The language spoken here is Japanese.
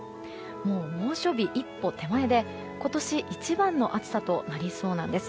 もう猛暑日一歩手前で今年一番の暑さとなりそうです。